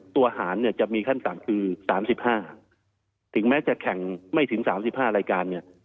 ตัวหารจะมีขั้นต่างคือ๓๕ถึงแม้จะแข่งไม่ถึง๓๕รายการ